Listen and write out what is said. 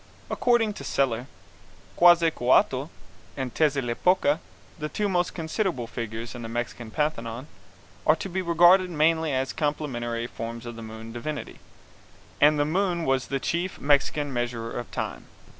According to Seler, Quetzalcouatl and Tezeatlipoca, the two most considerable figures in the Mexican pantheon, are to be regarded mainly as complementary forms of the moon divinity, and the moon was the chief Mexican measurer of time.